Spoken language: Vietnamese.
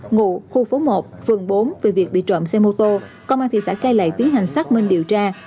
ngụ khu phố một phường bốn về việc bị trộm xe mô tô công an thị xã cai lệ tiến hành xác minh điều tra